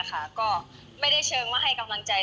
เค้ายังไม่ได้เชิงว่าให้กำลังใจ